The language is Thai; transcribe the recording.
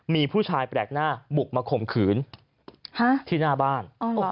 มีผู้ชายแปลกหน้าบุกมาข่มขืนที่หน้าบ้าน